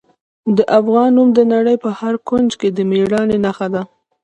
د افغان نوم د نړۍ په هر کونج کې د میړانې نښه ده.